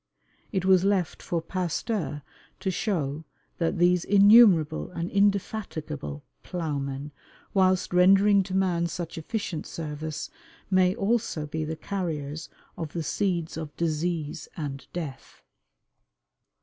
It was left for Pasteur to show that these innumerable and indefatigable plowmen, whilst rendering to man such efficient service, may also be the carriers of the seeds of disease and death.